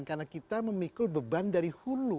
karena kita memikul beban dari hulu